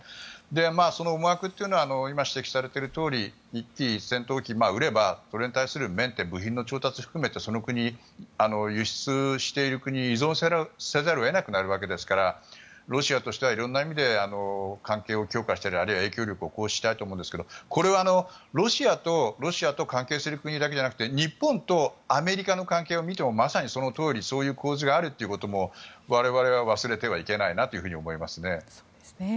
その思惑というのは今、指摘されているように１機、戦闘機を売ればそれに対するメンテ部品の調達を含めてその国輸出している国は依存せざるを得なくなるわけですからロシアとしては色んな意味で関係を強化したりあるいは影響力を行使したいと思うんですがこれはロシアと、ロシアと関係する国だけではなくて日本とアメリカの関係を見てもまさにそのとおりそういう構図があるということも我々は忘れてはいけないなと思いますね。